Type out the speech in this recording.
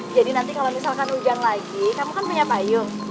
jadi nanti kalo misalkan hujan lagi kamu kan punya payung